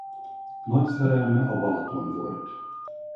Nagy szerelme a Balaton volt.